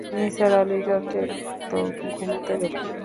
নিসার আলি যন্ত্রের মতো ঘুমুতে গেলেন।